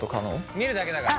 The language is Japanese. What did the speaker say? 見るだけだから。